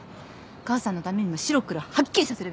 母さんのためにも白黒はっきりさせるべきよ。